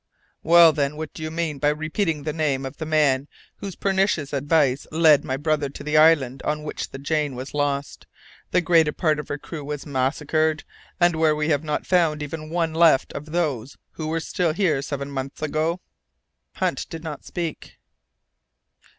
'" "Well, then, what do you mean by repeating the name of the man whose pernicious advice led my brother to the island on which the Jane was lost, the greater part of her crew was massacred, and where we have not found even one left of those who were still here seven months ago?" Hunt did not speak.